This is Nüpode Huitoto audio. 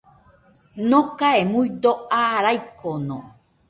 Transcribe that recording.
Nokae muido aa raikono.